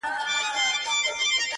يو نه شل ځلي په دام كي يم لوېدلى،